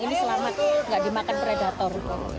ini selamat tidak dimakan predator